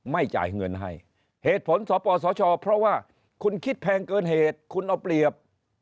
ไม่จ่ายเงินให้เหตุผลสปสชเพราะว่าคุณคิดแพงเกินเหตุคุณเอาเปรียบ